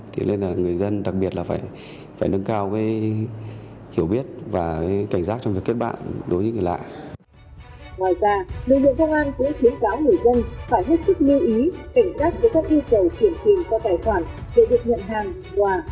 thì nên là người dân đặc biệt là phải nâng cao hiểu biết và cảnh giác trong việc kết bạn đối với những người lạ